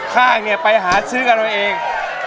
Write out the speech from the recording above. ข้างเนี่ยไปหาซื้อกับเราเอง